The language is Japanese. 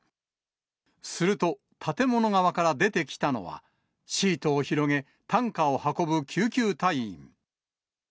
すると、建物側から出てきたのは、シートを広げ、担架を運ぶ救急隊員。